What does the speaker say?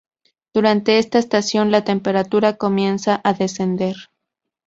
Durante esta estación la temperatura comienza a descender.